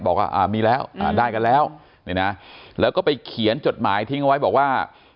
บอกว่ามีแล้วได้กันแล้วแล้วก็ไปเขียนจดหมายทิ้งเอาไว้บอกว่า